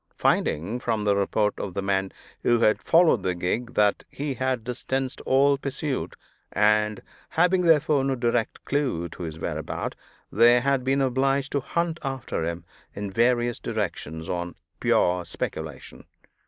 Finding, from the report of the men who had followed the gig, that he had distanced all pursuit, and having therefore no direct clew to his whereabout, they had been obliged to hunt after him in various directions, on pure speculation.